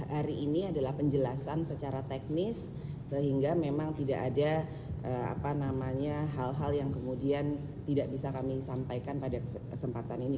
hari ini adalah penjelasan secara teknis sehingga memang tidak ada hal hal yang kemudian tidak bisa kami sampaikan pada kesempatan ini